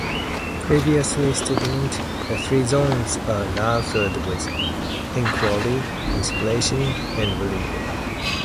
Previously stagnant, the three Zones are now filled with enquiry, inspiration and renewal.